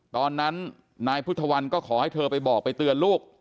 ตอนนั้นนายพุทธวันก็ขอให้เธอไปบอกไปเตือนลูก